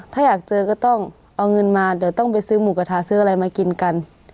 ถ้าอยากเจอก็ต้องเอาเงินมาเดี๋ยวต้องไปซื้อหมูกระทะซื้ออะไรมากินกัน